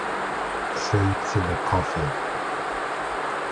Sleeps in a coffin.